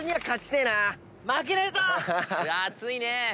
熱いね。